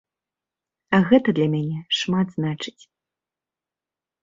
А гэта для мяне шмат значыць.